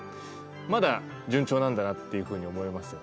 まだ順調なんだなっていう風に思えますよ。